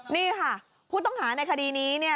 นี่ค่ะผู้ต้องหาในคดีนี้เนี่ย